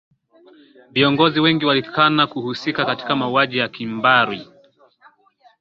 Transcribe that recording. viongozi wengi walikana kuhusika katika mauaji ya kimbari